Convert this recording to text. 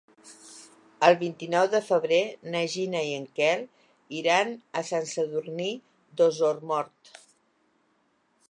El vint-i-nou de febrer na Gina i en Quel iran a Sant Sadurní d'Osormort.